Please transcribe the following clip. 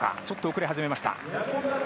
ちょっと遅れ始めました。